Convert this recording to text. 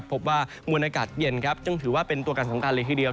พบว่ามวลอากาศเย็นยังถือว่าเป็นตัวการสังการเล็กที่เดียว